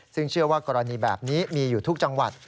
ซึ่งเชื่อว่ากรณีแบบนี้มีอยู่ทุกจังหวัด